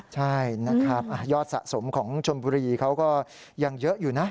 ใช่นะครับยอดสะสมของชนบุรีเขาก็ยังเยอะอยู่นะ